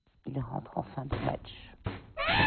Il rentre en fin de match.